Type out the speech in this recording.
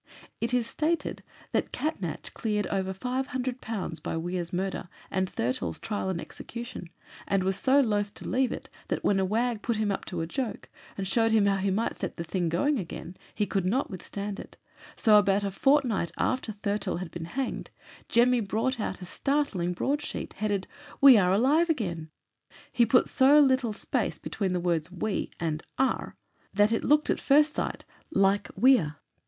It is stated that Catnach cleared over £500 by Weare's murder and Thurtell's trial and execution, and was so loth to leave it, that when a wag put him up to a joke, and showed him how he might set the thing a going again, he could not withstand it, so about a fortnight after Thurtell had been hanged "Jemmy" brought out a startling broad sheet, headed "WE ARE ALIVE AGAIN!" He put so little space between the two words "we" and "are," that it looked at first sight like "WEARE."